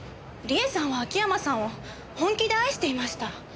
理恵さんは秋山さんを本気で愛していました。